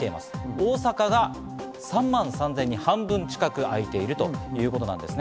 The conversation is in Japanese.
大阪が３万３０００人、半分近くは空いているということです。